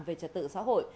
về trật tự xã hội